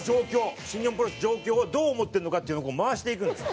新日本プロレスの状況をどう思ってるのかっていうのをこう回していくんですよ。